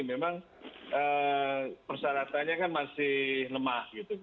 memang persyaratannya kan masih lemah